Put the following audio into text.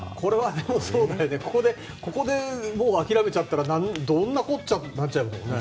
ここでもう諦めちゃったらどんなこっちゃになっちゃいますよね。